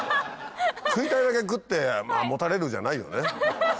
食いたいだけ食ってもたれるじゃないよね。